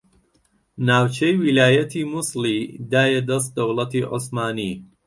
ناوچەی ویلایەتی موسڵی دایە دەست دەوڵەتی عوسمانی